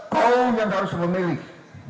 kau yang harus memilih